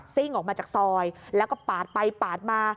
สิ้งออกมาจากซอยแล้วก็ปาดไปมา